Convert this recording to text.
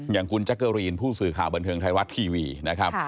อย่างคุณแจ๊กเกอรีนผู้สื่อข่าวบันเทิงไทยรัฐทีวีนะครับ